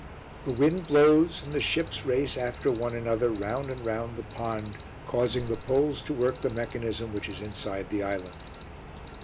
The wind blows and the ships race after one another round and round the pond, causing the poles to work the mechanism which is inside the island.